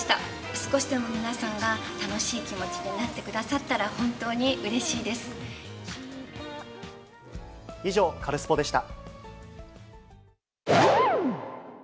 少しでも皆さんが楽しい気持ちになってくださったら、本当にうれ以上、カルスポっ！でした。